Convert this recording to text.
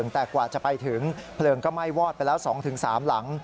แต่กว่าจะไปถึงเพลิงก็ไหม้วอดไปแล้ว๒๓หลัง